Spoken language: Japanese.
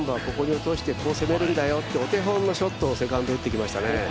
ここに落としてこう攻めるんだよっていうお手本のショットをセカンド打ってきましたね